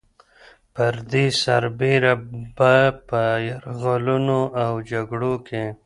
پر دې سربېره به په يرغلونو او جګړو کې